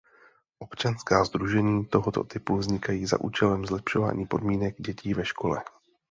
Občanská sdružení tohoto typu vznikají za účelem zlepšení podmínek dětí ve škole.